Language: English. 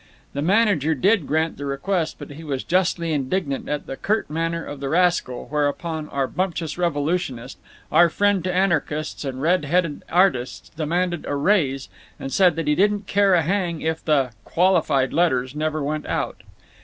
The manager did grant the request, but he was justly indignant at the curt manner of the rascal, whereupon our bumptious revolutionist, our friend to anarchists and red headed artists, demanded a "raise" and said that he didn't care a hang if the [qualified] letters never went out.